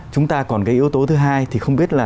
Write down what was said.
chúng ta còn cái yếu tố thứ hai thì không biết là